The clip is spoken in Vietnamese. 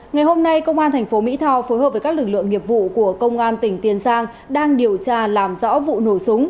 ngày hôm nay công an tp mỹ tho phối hợp với các lực lượng nghiệp vụ của công an tỉnh tiền giang đang điều tra làm rõ vụ nổ súng